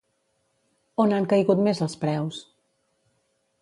On han caigut més els preus?